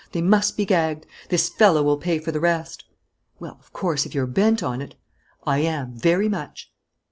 They must be gagged. This fellow will pay for the rest." "Well, of course, if you're bent on it " "I am, very much."